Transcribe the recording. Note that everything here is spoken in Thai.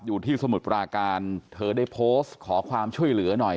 สมุทรปราการเธอได้โพสต์ขอความช่วยเหลือหน่อย